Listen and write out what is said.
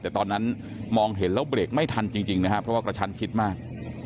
แต่ตอนนั้นมองเห็นแล้วเบรกไม่ทันจริงนะครับเพราะว่ากระชันคิดมาก